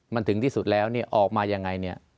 มันถึงที่สุดแล้วเนี่ยออกมายังไงเนี่ย